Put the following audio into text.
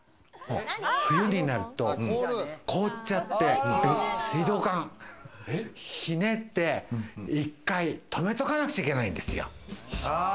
冬になると凍っちゃって水道管ひねって、１回止めとかなくちゃいけないんですよ。